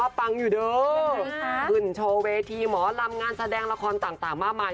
ว่าปังอยู่เด้อคุณโชว์เวทีหมอรำงานแสดงละครต่างต่างมากมาย